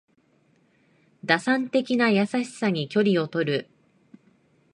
打算的な優しさに距離をとる